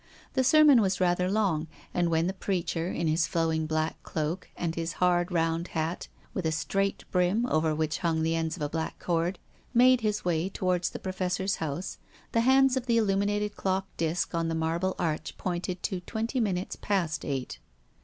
The sermon was rather long, and when the preacher, in his flowing, black cloak, and his hard, round hat, with a straight brim over which hung the ends of a black cord, made his way towards the Professor's house, the hands of the illuminated clock disc at the Marble Arch pointed to twenty minutes past eight.